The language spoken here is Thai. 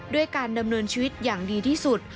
ด้วยการดำเนินชีวิตอย่างดีที่สุด